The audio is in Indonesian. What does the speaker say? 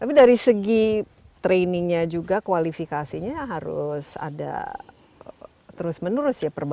tapi dari segi trainingnya juga kualifikasinya harus ada terus menerus ya perbaikan